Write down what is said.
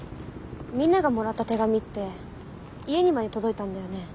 みんながもらった手紙って家にまで届いたんだよね？